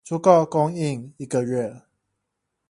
足夠供應一個月